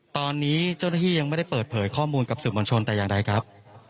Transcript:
ตอนนี้เจ้าหน้าที่ยังไม่ได้เปิดเผยข้อมูลกับสื่อมวลชนแต่อย่างใดครับ